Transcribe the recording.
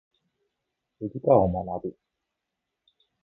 理科を学ぶ。